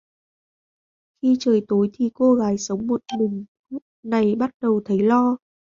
Khi trời tối thì cô gái sống một mình này bắt đầu thấy lo